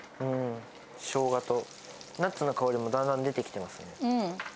しょうがと、ナッツの香りもだんだん出てきてますね。